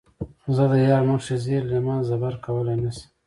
زۀ د يار مخکښې زېر لېمۀ زبَر کؤلے نۀ شم